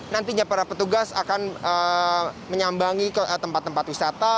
nantinya para petugas akan menyambangi ke tempat tempat wisata